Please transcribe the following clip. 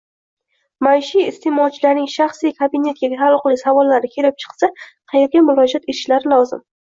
Maishiy isteʼmolchilarning "Shaxsiy kabinet"ga taaluqli savollari kelib chiqsa qayerga murojaat etishlari lozim?